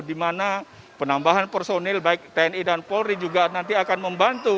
di mana penambahan personil baik tni dan polri juga nanti akan membantu